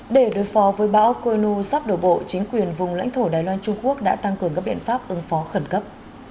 để đối phó với bão koi nu sắp đổ bộ chính quyền vùng lãnh thổ đài loan trung quốc đã tăng cường các biện pháp ứng phó khẩn cấp